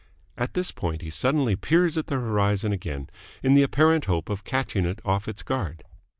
At this point he suddenly peers at the horizon again, in the apparent hope of catching it off its guard.